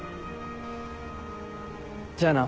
じゃあな。